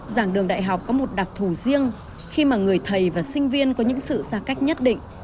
giảng đường đại học có một đặc thù riêng khi mà người thầy và sinh viên có những sự xa cách nhất định